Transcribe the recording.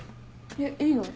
えっいいの？